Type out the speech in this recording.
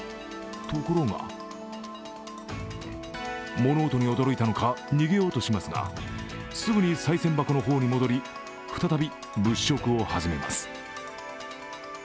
ところが物音に驚いたのか、逃げようとしますが、すぐにさい銭箱の方に戻り、再び物色を始めます。